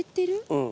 うん。